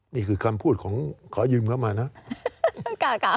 นี่คือคำพูดของขอยืมเขามานะ